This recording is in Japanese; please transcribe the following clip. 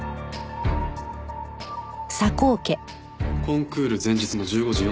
コンクール前日の１５時４６分